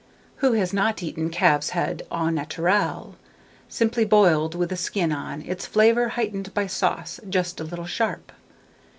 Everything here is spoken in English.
Who has not eaten calf's head au naturel, simply boiled with the skin on, its flavour heightened by sauce just a little sharp?